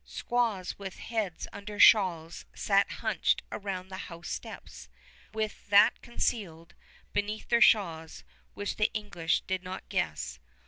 Squaws with heads under shawls sat hunched around the house steps, with that concealed beneath their shawls which the English did not guess.